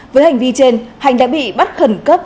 với hành vi trên hành đã bị bắt khẩn cấp